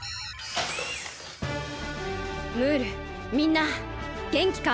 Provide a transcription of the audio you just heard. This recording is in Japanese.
ムールみんなげんきか？